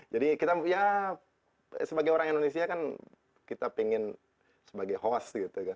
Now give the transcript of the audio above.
jadi kita ya sebagai orang indonesia kan kita pingin sebagai host gitu kan